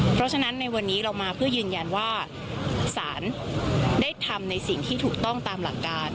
เพราะฉะนั้นในวันนี้เรามาเพื่อยืนยันว่าสารได้ทำในสิ่งที่ถูกต้องตามหลักการ